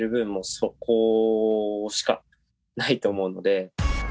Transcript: そこしかないと思うので。